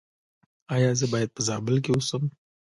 ایا زه باید په زابل کې اوسم؟